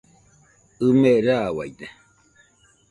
ɨme rauaide.